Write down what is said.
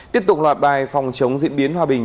tiếp tục loạt bài phòng chống diễn biến hòa bình